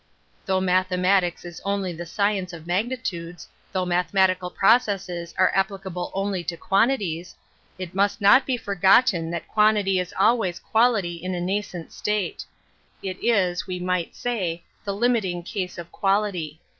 hough mathematicR is only the science of ignitudes, though mathematical processes applicable only to quantities, it must be forgotten that quantity is always quality in a nascent state; it is, we might ,. say, the limiting case of quality.